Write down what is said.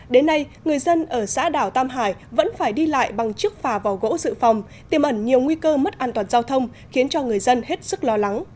đến nay người dân ở xã đảo tam hải vẫn phải đi lại bằng chiếc phà vỏ gỗ dự phòng tiêm ẩn nhiều nguy cơ mất an toàn giao thông khiến cho người dân hết sức lo lắng